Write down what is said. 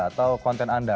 atau konten anda